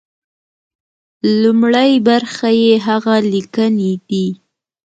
لومړۍ برخه يې هغه ليکنې دي.